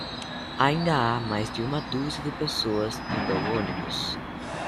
Ainda há mais de uma dúzia de pessoas indo ao ônibus.